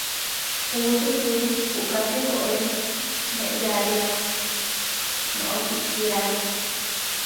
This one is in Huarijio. Puú čuhčúri puʼka tihoé meʼyaria noʼó kiʼkiári.